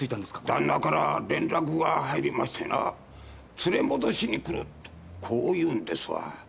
旦那から連絡が入りましてな「連れ戻しにくる」とこう言うんですわ。